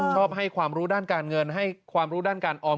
ชอบให้ความรู้ด้านการเงินให้ความรู้ด้านการออม